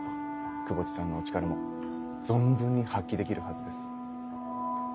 窪地さんのお力も存分に発揮できるはずです。